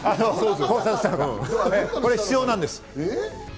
これ必要なんです。